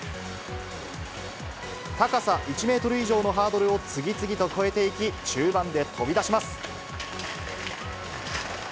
高さ１メートル以上のハードルを次々と越えていき、中盤で飛び出します。